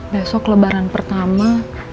besok lebaran pertama